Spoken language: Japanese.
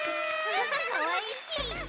かわいいち！